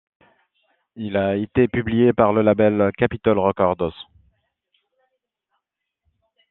Il a été publié par le label Capitol Records.